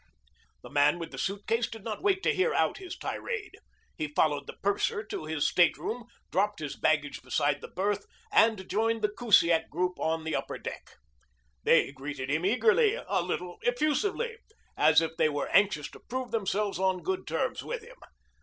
The man with the suitcase did not wait to hear out his tirade. He followed the purser to his stateroom, dropped his baggage beside the berth, and joined the Kusiak group on the upper deck. They greeted him eagerly, a little effusively, as if they were anxious to prove themselves on good terms with him.